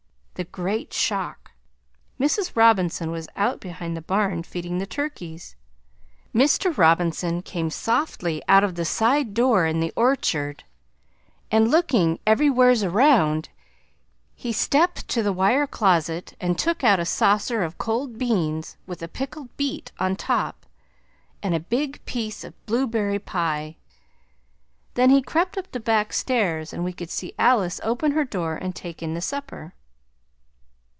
(The Great Shock) Mrs. Robinson was out behind the barn feeding the turkies. Mr. Robinson came softly out of the side door in the orchard and looking everywheres around he stepped to the wire closet and took out a saucer of cold beans with a pickled beet on top, and a big piece of blueberry pie. Then he crept up the back stairs and we could see Alice open her door and take in the supper.